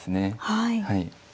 はい。